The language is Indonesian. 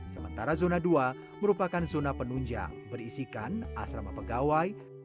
sementara zona dua merupakan zona penunjang berisikan asrama pegawai